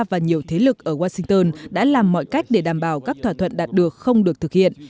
và nhiều thế lực ở washington đã làm mọi cách để đảm bảo các thỏa thuận đạt được không được thực hiện